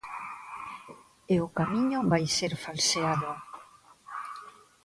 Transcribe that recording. E o camiño vai ser falseado.